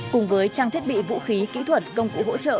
cùng với trang thiết bị vũ khí kỹ thuật công cụ hỗ trợ